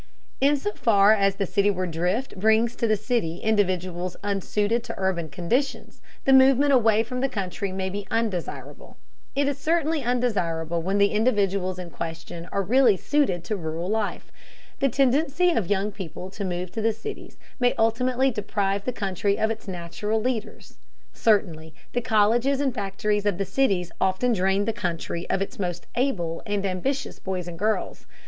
In so far as the cityward drift brings to the city individuals unsuited to urban conditions, the movement away from the country may be undesirable. It is certainly undesirable when the individuals in question are really suited to rural life. The tendency of young people to move to the cities may ultimately deprive the country of its natural leaders. Certainly the colleges and factories of the cities often drain the country of its most able and ambitious boys and girls.